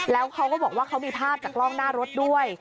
แล้วเขาก็บอกว่าเขามีภาพจากกล้องหน้ารถด้วย